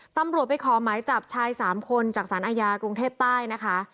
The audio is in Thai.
ตำรวจไปขอหมายจับชาย๓คนจากสารอาญากรุงเทพใต้นะคะ